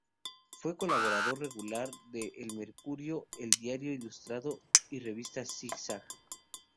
Fue colaborador regular de El Mercurio, El Diario Ilustrado y Revista Zig-Zag.